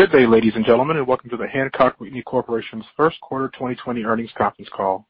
Good day, ladies and gentlemen, and welcome to the Hancock Whitney Corporation's First Quarter 2020 Earnings Conference Call.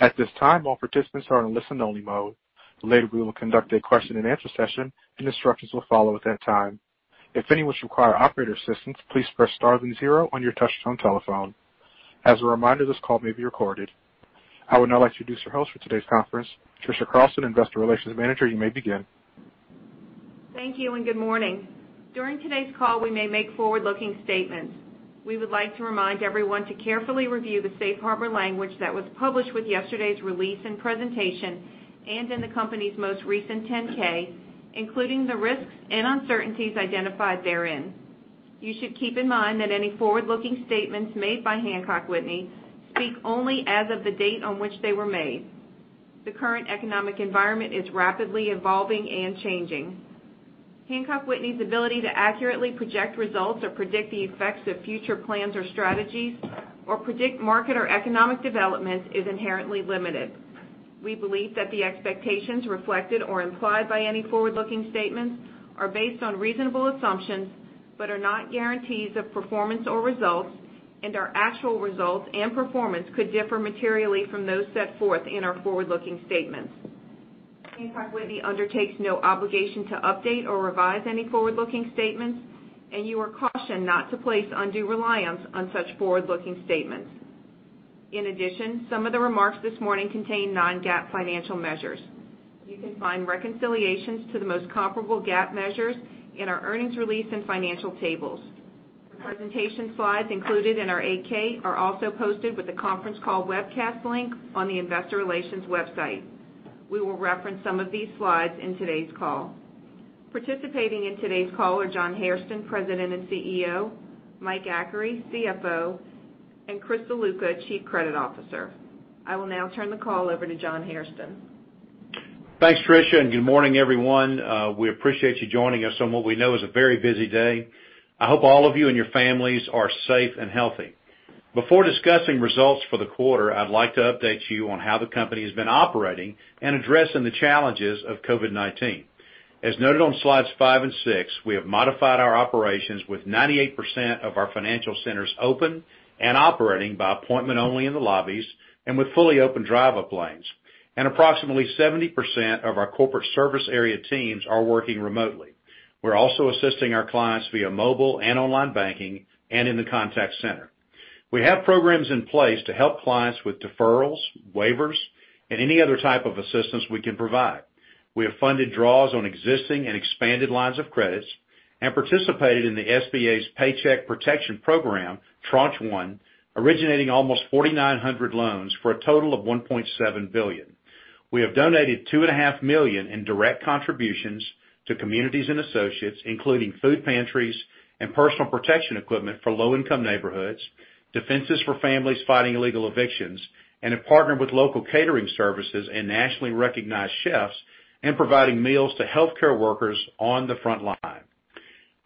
At this time, all participants are in listen only mode. Later, we will conduct a question-and-answer session, and instructions will follow at that time. If anyone should require operator assistance, please press star then zero on your touch-tone telephone. As a reminder, this call may be recorded. I would now like to introduce your host for today's conference, Trisha Carlson, Investor Relations Manager. You may begin. Thank you and good morning. During today's call, we may make forward-looking statements. We would like to remind everyone to carefully review the Safe Harbor language that was published with yesterday's release and presentation, and in the company's most recent 10-K, including the risks and uncertainties identified therein. You should keep in mind that any forward-looking statements made by Hancock Whitney speak only as of the date on which they were made. The current economic environment is rapidly evolving and changing. Hancock Whitney's ability to accurately project results or predict the effects of future plans or strategies or predict market or economic developments is inherently limited. We believe that the expectations reflected or implied by any forward-looking statements are based on reasonable assumptions, but are not guarantees of performance or results, and our actual results and performance could differ materially from those set forth in our forward-looking statements. Hancock Whitney undertakes no obligation to update or revise any forward-looking statements, and you are cautioned not to place undue reliance on such forward-looking statements. In addition, some of the remarks this morning contain non-GAAP financial measures. You can find reconciliations to the most comparable GAAP measures in our earnings release and financial tables. The presentation slides included in our 8-K are also posted with the conference call webcast link on the investor relations website. We will reference some of these slides in today's call. Participating in today's call are John Hairston, President and CEO, Mike Achary, CFO, and Chris Ziluca, Chief Credit Officer. I will now turn the call over to John Hairston. Thanks, Trisha. Good morning, everyone. We appreciate you joining us on what we know is a very busy day. I hope all of you and your families are safe and healthy. Before discussing results for the quarter, I'd like to update you on how the company has been operating and addressing the challenges of COVID-19. As noted on slides five and six, we have modified our operations with 98% of our financial centers open and operating by appointment only in the lobbies and with fully open drive-up lanes, and approximately 70% of our corporate service area teams are working remotely. We're also assisting our clients via mobile and online banking and in the contact center. We have programs in place to help clients with deferrals, waivers, and any other type of assistance we can provide. We have funded draws on existing and expanded lines of credits and participated in the SBA's Paycheck Protection Program, Tranche One, originating almost 4,900 loans for a total of $1.7 billion. We have donated $2.5 million in direct contributions to communities and associates, including food pantries and personal protection equipment for low income neighborhoods, defenses for families fighting illegal evictions, and have partnered with local catering services and nationally recognized chefs in providing meals to healthcare workers on the front line.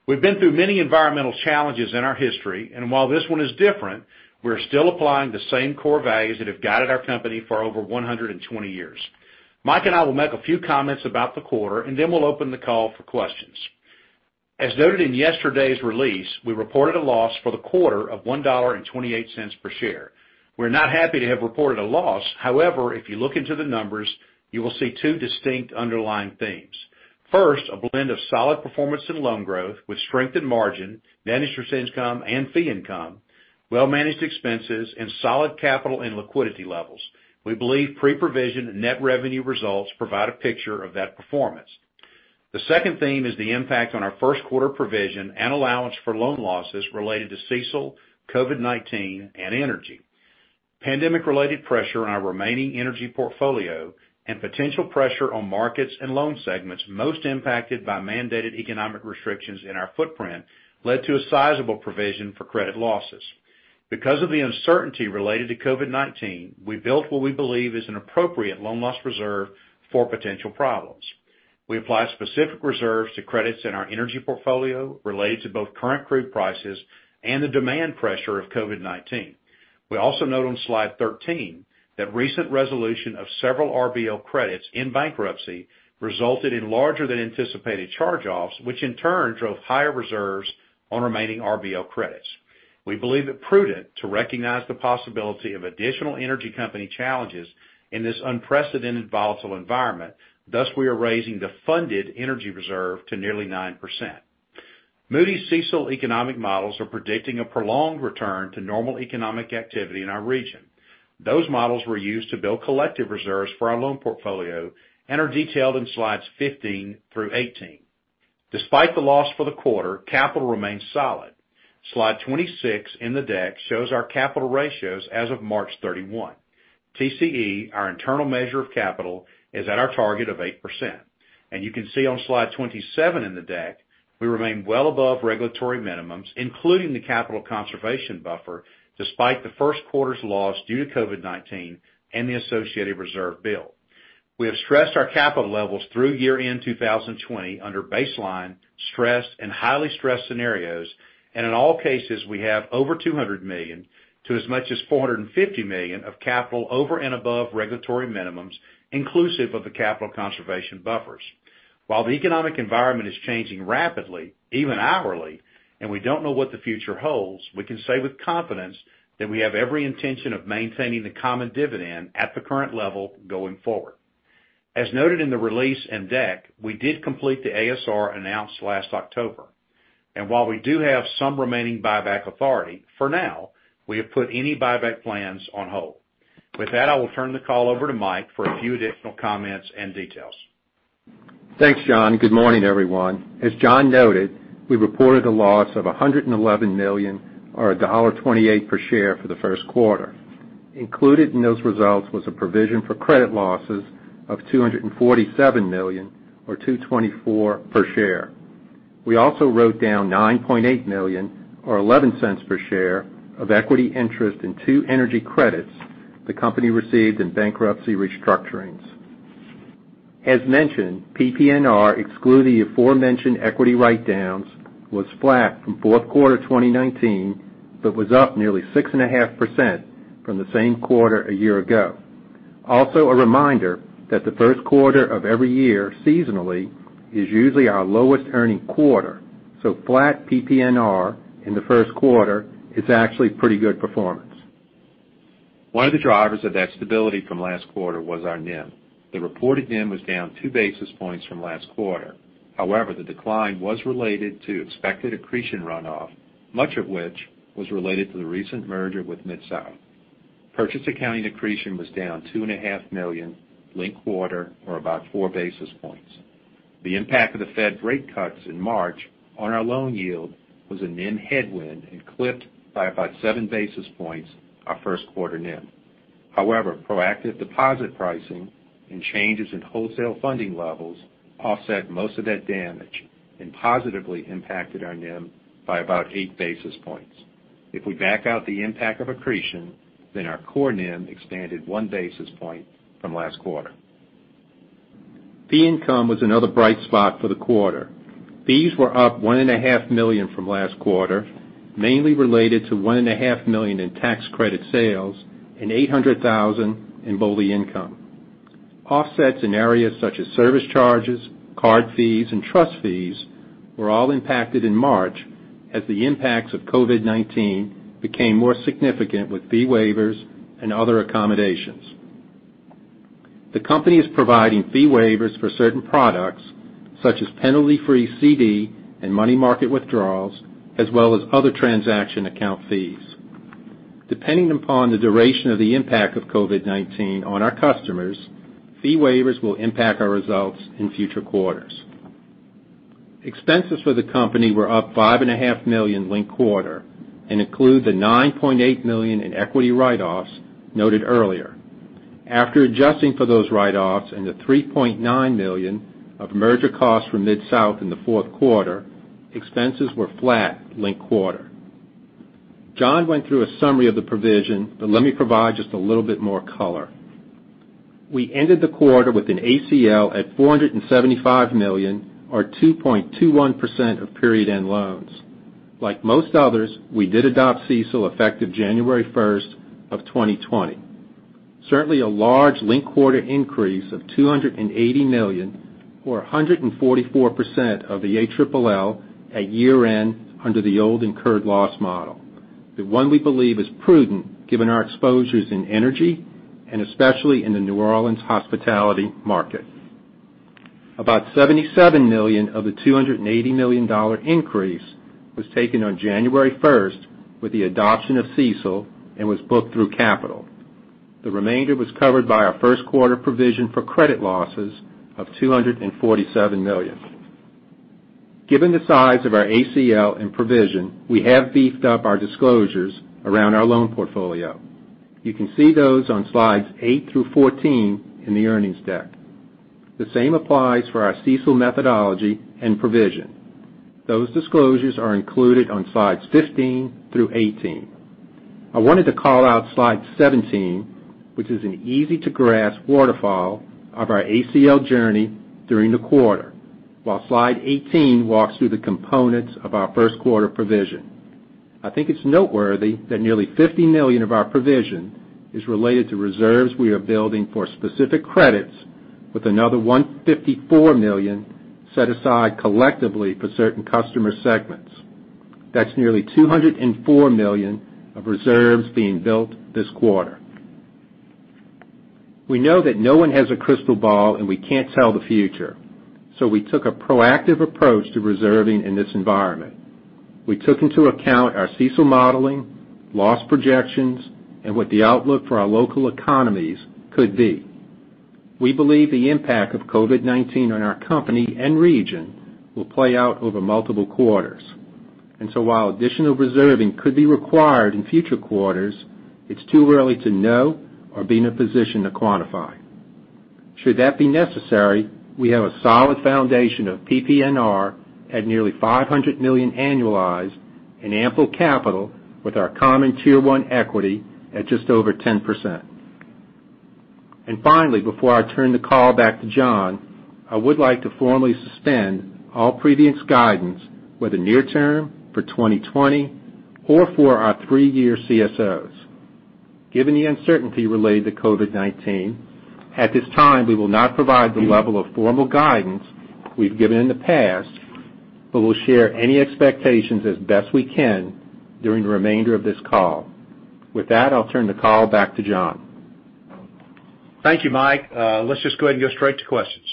We've been through many environmental challenges in our history, and while this one is different, we're still applying the same core values that have guided our company for over 120 years. Mike and I will make a few comments about the quarter, and then we'll open the call for questions. As noted in yesterday's release, we reported a loss for the quarter of $1.28 per share. We're not happy to have reported a loss. However, if you look into the numbers, you will see two distinct underlying themes. First, a blend of solid performance and loan growth with strength in margin, managed interest income and fee income, well-managed expenses, and solid capital and liquidity levels. We believe pre-provision net revenue results provide a picture of that performance. The second theme is the impact on our first quarter provision and allowance for loan losses related to CECL, COVID-19, and energy. Pandemic related pressure on our remaining energy portfolio and potential pressure on markets and loan segments most impacted by mandated economic restrictions in our footprint led to a sizable provision for credit losses. Because of the uncertainty related to COVID-19, we built what we believe is an appropriate loan loss reserve for potential problems. We applied specific reserves to credits in our energy portfolio related to both current crude prices and the demand pressure of COVID-19. We also note on slide 13 that recent resolution of several RBL credits in bankruptcy resulted in larger than anticipated charge-offs, which in turn drove higher reserves on remaining RBL credits. We believe it prudent to recognize the possibility of additional energy company challenges in this unprecedented volatile environment. Thus, we are raising the funded energy reserve to nearly 9%. Moody's CECL economic models are predicting a prolonged return to normal economic activity in our region. Those models were used to build collective reserves for our loan portfolio and are detailed in slides 15 through 18. Despite the loss for the quarter, capital remains solid. Slide 26 in the deck shows our capital ratios as of March 31. TCE, our internal measure of capital, is at our target of 8%. You can see on slide 27 in the deck, we remain well above regulatory minimums, including the capital conservation buffer, despite the first quarter's loss due to COVID-19 and the associated reserve build. We have stressed our capital levels through year-end 2020 under baseline, stressed, and highly stressed scenarios. In all cases, we have over $200 million-$450 million of capital over and above regulatory minimums, inclusive of the capital conservation buffers. While the economic environment is changing rapidly, even hourly, and we don't know what the future holds, we can say with confidence that we have every intention of maintaining the common dividend at the current level going forward. As noted in the release and deck, we did complete the ASR announced last October. While we do have some remaining buyback authority, for now, we have put any buyback plans on hold. With that, I will turn the call over to Mike for a few additional comments and details. Thanks, John. Good morning, everyone. As John noted, we reported a loss of $111 million or $1.28 per share for the first quarter. Included in those results was a provision for credit losses of $247 million or $2.24 per share. We also wrote down $9.8 million or $0.11 per share of equity interest in two energy credits the company received in bankruptcy restructurings. As mentioned, PPNR, excluding the aforementioned equity write-downs, was flat from fourth quarter 2019, but was up nearly 6.5% from the same quarter a year ago. A reminder that the first quarter of every year seasonally is usually our lowest earning quarter, so flat PPNR in the first quarter is actually pretty good performance. One of the drivers of that stability from last quarter was our NIM. The reported NIM was down 2 basis points from last quarter. However, the decline was related to expected accretion runoff, much of which was related to the recent merger with MidSouth. Purchase accounting accretion was down $2.5 million, linked quarter or about four basis points. The impact of the Fed rate cuts in March on our loan yield was a NIM headwind and clipped by about seven basis points our first quarter NIM. However, proactive deposit pricing and changes in wholesale funding levels offset most of that damage and positively impacted our NIM by about 8 basis points. If we back out the impact of accretion, then our core NIM expanded 1 basis point from last quarter. Fee income was another bright spot for the quarter. Fees were up $1.5 million from last quarter, mainly related to $1.5 Million in tax credit sales and $800,000 in BOLI income. Offsets in areas such as service charges, card fees, and trust fees were all impacted in March as the impacts of COVID-19 became more significant with fee waivers and other accommodations. The company is providing fee waivers for certain products such as penalty-free CD and money market withdrawals, as well as other transaction account fees. Depending upon the duration of the impact of COVID-19 on our customers, fee waivers will impact our results in future quarters. Expenses for the company were up $4.5 Million linked quarter and include the $9.8 million in equity write-offs noted earlier. After adjusting for those write-offs and the $3.9 million of merger costs from MidSouth in the fourth quarter, expenses were flat linked quarter. John went through a summary of the provision, but let me provide just a little bit more color. We ended the quarter with an ACL at $475 million or 2.21% of period end loans. Like most others, we did adopt CECL effective January 1st of 2020. Certainly, a large linked quarter increase of $280 million or 144% of the ALLL at year-end under the old incurred loss model, the one we believe is prudent given our exposures in energy and especially in the New Orleans hospitality market. About $77 million of the $280 million increase was taken on January 1st with the adoption of CECL and was booked through capital. The remainder was covered by our first quarter provision for credit losses of $247 million. Given the size of our ACL and provision, we have beefed up our disclosures around our loan portfolio. You can see those on slides 8-14 in the earnings deck. The same applies for our CECL methodology and provision. Those disclosures are included on slides 15-18. I wanted to call out slide 17, which is an easy-to-grasp waterfall of our ACL journey during the quarter, while slide 18 walks through the components of our first quarter provision. I think it's noteworthy that nearly $50 million of our provision is related to reserves we are building for specific credits with another $154 million set aside collectively for certain customer segments. That's nearly $204 million of reserves being built this quarter. We know that no one has a crystal ball, and we can't tell the future. We took a proactive approach to reserving in this environment. We took into account our CECL modeling, loss projections, and what the outlook for our local economies could be. We believe the impact of COVID-19 on our company and region will play out over multiple quarters. While additional reserving could be required in future quarters, it's too early to know or be in a position to quantify. Should that be necessary, we have a solid foundation of PPNR at nearly $500 million annualized. Ample capital with our common Tier 1 equity at just over 10%. Finally, before I turn the call back to John, I would like to formally suspend all previous guidance, whether near term, for 2020, or for our three-year CSOs. Given the uncertainty related to COVID-19, at this time, we will not provide the level of formal guidance we've given in the past, but we'll share any expectations as best we can during the remainder of this call. With that, I'll turn the call back to John. Thank you, Mike. Let's just go ahead and go straight to questions.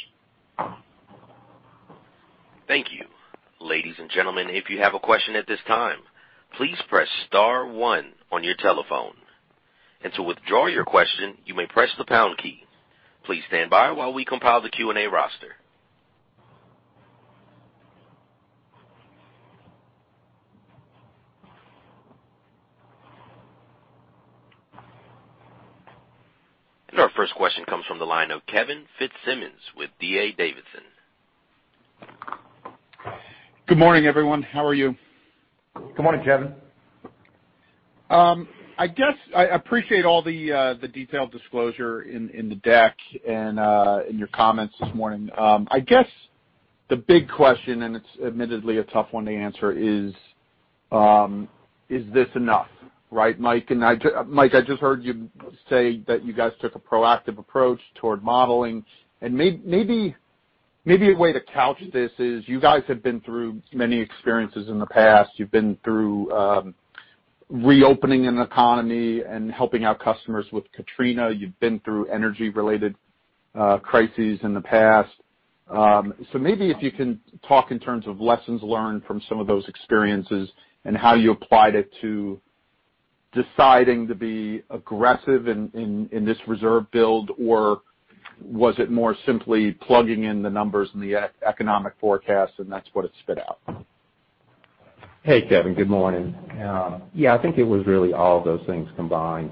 Thank you. Ladies and gentlemen, if you have a question at this time, please press star one on your telephone. To withdraw your question, you may press the pound key. Please stand by while we compile the Q&A roster. Our first question comes from the line of Kevin Fitzsimmons with D.A. Davidson. Good morning, everyone. How are you? Good morning, Kevin. I appreciate all the detailed disclosure in the deck and in your comments this morning. I guess the big question, and it's admittedly a tough one to answer is this enough, right, Mike? Mike, I just heard you say that you guys took a proactive approach toward modeling. Maybe a way to couch this is you guys have been through many experiences in the past. You've been through reopening an economy and helping out customers with Katrina. You've been through energy-related crises in the past. Maybe if you can talk in terms of lessons learned from some of those experiences and how you applied it to deciding to be aggressive in this reserve build, or was it more simply plugging in the numbers in the economic forecast, and that's what it spit out? Hey, Kevin. Good morning. Yeah, I think it was really all of those things combined.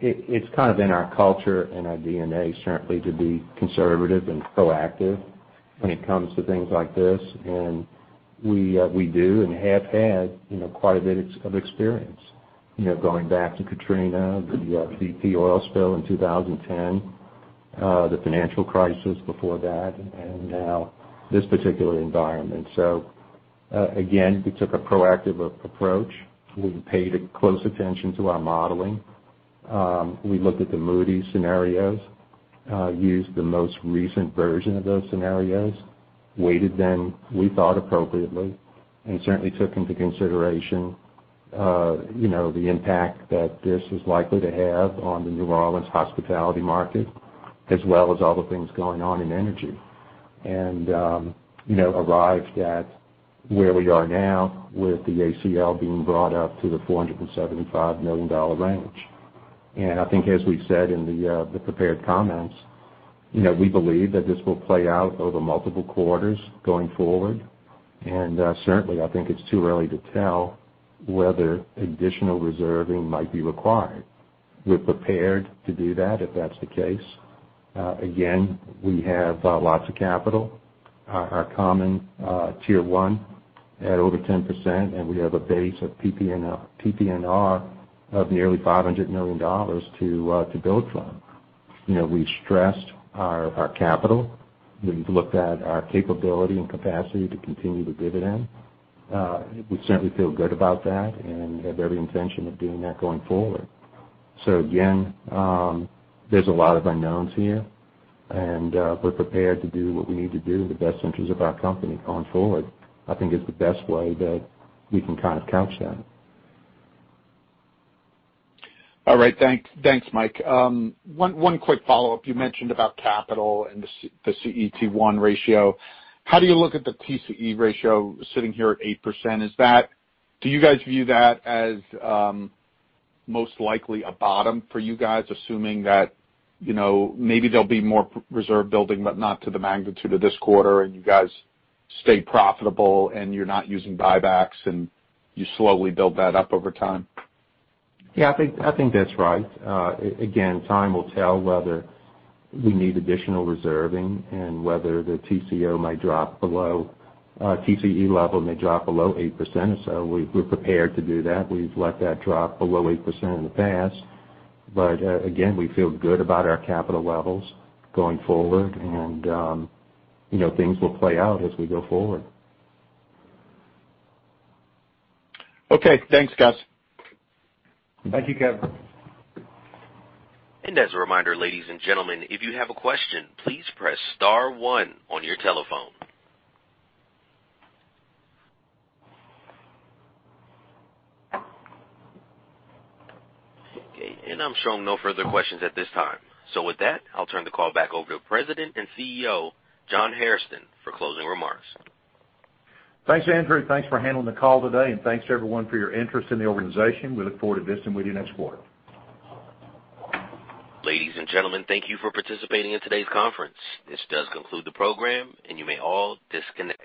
It's kind of in our culture and our DNA, certainly, to be conservative and proactive when it comes to things like this. We do and have had quite a bit of experience going back to Katrina, the BP oil spill in 2010, the financial crisis before that, and now this particular environment. Again, we took a proactive approach. We paid close attention to our modeling. We looked at the Moody's scenarios, used the most recent version of those scenarios, weighted them, we thought, appropriately, and certainly took into consideration the impact that this is likely to have on the New Orleans hospitality market, as well as all the things going on in energy. Arrived at where we are now with the ACL being brought up to the $475 million range. I think as we said in the prepared comments, we believe that this will play out over multiple quarters going forward. Certainly, I think it's too early to tell whether additional reserving might be required. We're prepared to do that if that's the case. Again, we have lots of capital. Our common Tier 1 at over 10%, and we have a base of PPNR of nearly $500 million to build from. We've stressed our capital. We've looked at our capability and capacity to continue the dividend. We certainly feel good about that and have every intention of doing that going forward. Again, there's a lot of unknowns here, and we're prepared to do what we need to do in the best interest of our company going forward, I think is the best way that we can kind of couch that. All right. Thanks, Mike. One quick follow-up. You mentioned about capital and the CET1 ratio. How do you look at the TCE ratio sitting here at 8%? Do you guys view that as most likely a bottom for you guys, assuming that maybe there'll be more reserve building, but not to the magnitude of this quarter and you guys stay profitable and you're not using buybacks, and you slowly build that up over time? Yeah, I think that's right. Again, time will tell whether we need additional reserving and whether the TCE level may drop below 8% or so. We're prepared to do that. We've let that drop below 8% in the past. Again, we feel good about our capital levels going forward, and things will play out as we go forward. Okay, thanks guys. Thank you, Kevin. As a reminder, ladies and gentlemen, if you have a question, please press star one on your telephone. Okay, I'm showing no further questions at this time. With that, I'll turn the call back over to President and CEO, John Hairston, for closing remarks. Thanks, Andrew. Thanks for handling the call today, and thanks to everyone for your interest in the organization. We look forward to visiting with you next quarter. Ladies and gentlemen, thank you for participating in today's conference. This does conclude the program, and you may all disconnect.